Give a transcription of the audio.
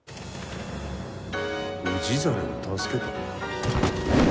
氏真を助けた？